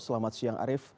selamat siang arief